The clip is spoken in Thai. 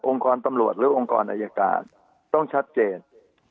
กรตำรวจหรือองค์กรอายการต้องชัดเจน